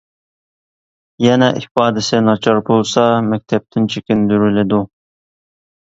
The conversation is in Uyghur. يەنە ئىپادىسى ناچار بولسا، مەكتەپتىن چېكىندۈرۈلىدۇ!